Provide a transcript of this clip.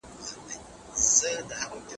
مطالعه د ماشوم د ذوق ودې سبب کېږي.